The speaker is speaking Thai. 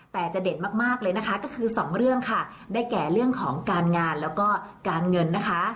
แต่จะเด่นมากเลยนะคะก็คือสองเรื่องค่ะได้แก่เรื่องของการงานแล้วก็การเงินนะคะ